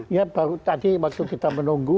ya baru tadi waktu kita menunggu